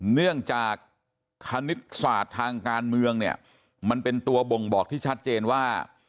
เนื่องจากคณิตศาสตร์ทางการเมืองเนี่ยมันเป็นตัวบ่งบอกที่ชัดเจนว่า